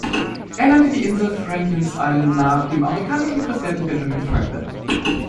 Er nannte die Insel Franklin´s Island nach dem amerikanischen Präsidenten Benjamin Franklin.